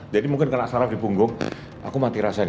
jadi mungkin kena sarap di punggung aku mati rasa ini